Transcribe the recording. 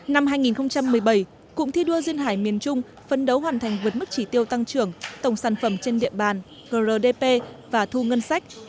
năm hai nghìn một mươi bảy cụm thi đua duyên hải miền trung phân đấu hoàn thành vượt mức chỉ tiêu tăng trưởng tổng sản phẩm trên địa bàn grdp và thu ngân sách